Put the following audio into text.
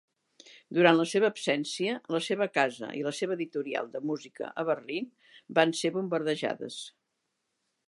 Durant la seva absència, la seva casa i la seva editorial de música a Berlin van ser bombardejades.